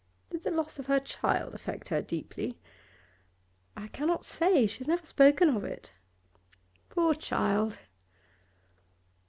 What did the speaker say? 'Did the loss of her child affect her deeply?' 'I cannot say. She has never spoken of it.' 'Poor child!